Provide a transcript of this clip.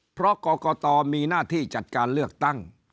เพราะกรกตมีหน้าที่จัดการเลือกตั้ง